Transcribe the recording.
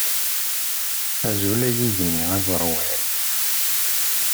Azul a igenni aẓerwal!